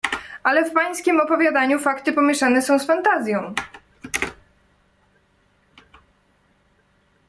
"Ale w pańskiem opowiadaniu fakty pomieszane są z fantazją."